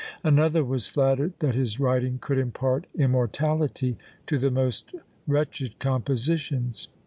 Another was flattered that his writing could impart immortality to the most wretched compositions!